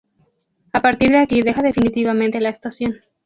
A partir de aquí deja definitivamente la actuación.